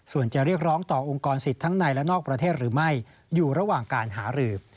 ส่วนจะเรียกร้องต่อองค์กรสิทธิ์ทั้งในและนอกประเทศหรือไม่อยู่ระหว่างการหารือ